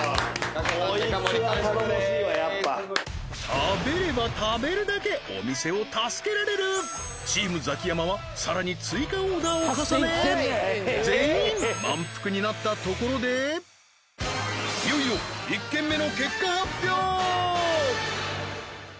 こいつはやっぱ食べれば食べるだけお店を助けられるチームザキヤマはさらに追加オーダーを重ね全員まんぷくになったところでいよいよ１軒目の結果発表！